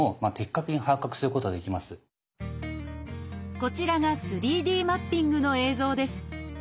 こちらが３Ｄマッピングの映像です。